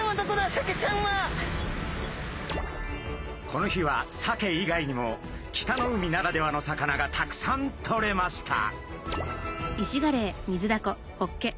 この日はサケ以外にも北の海ならではの魚がたくさんとれました。